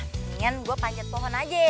mendingan gue panjat pohon aja